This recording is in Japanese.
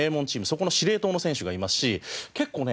そこの司令塔の選手がいますし結構ね